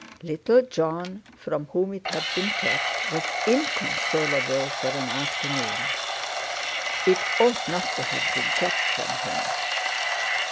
Little Jon, from whom it had been kept, was inconsolable for an afternoon. It ought not to have been kept from him!